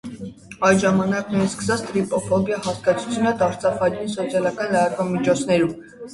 Այդ ժամանակից սկսած տրիպոֆոբիա հասկացությունը դարձավ հայտնի սոցիալական լրատվամիջոցներում։